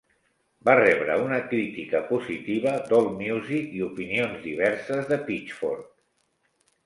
Va rebre una crítica positiva d'Allmusic i opinions diverses de Pitchfork.